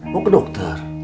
mau ke dokter